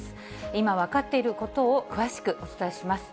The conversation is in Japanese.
今分かっていることを詳しくお伝えします。